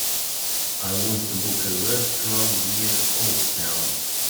I want to book a restaurant near Oaktown.